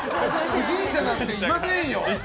不審者なんていませんよ！